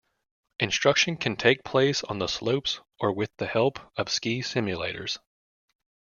Instruction can take place on the slopes or with the help of ski simulators.